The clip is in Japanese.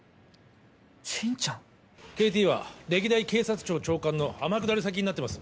心ちゃんＫＴは歴代警察庁長官の天下り先になってます